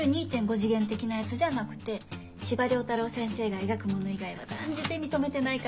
次元的なやつじゃなくて司馬太郎先生が描くもの以外は断じて認めてないから。